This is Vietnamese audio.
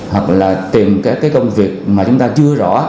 hoặc là tìm các cái công việc mà chúng ta chưa rõ